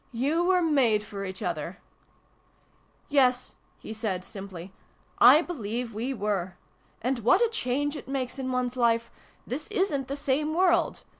"You were made for each other !"" Yes," he said, simply, " I believe we were. And what a change it makes in one's Life ! This isn't the same world